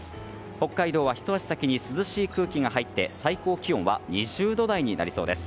北海道はひと足先に涼しい空気が入って最高気温は２０度台になりそうです。